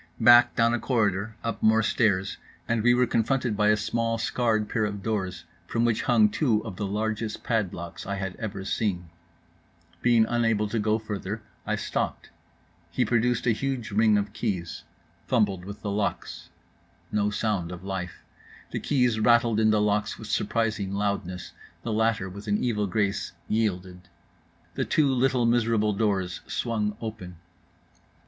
Back, down a corridor, up more stairs; and we were confronted by a small scarred pair of doors from which hung two of the largest padlocks I had ever seen. Being unable to go further, I stopped: he produced a huge ring of keys. Fumbled with the locks. No sound of life: the keys rattled in the locks with surprising loudness; the latter, with an evil grace, yielded—the two little miserable doors swung open.